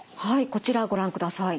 こちらご覧ください。